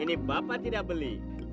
ini bapak tidak beli